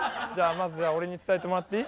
まずは俺に伝えてもらっていい？